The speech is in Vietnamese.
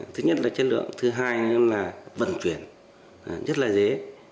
thứ nhất là chất lượng thứ hai là vận chuyển rất là dễ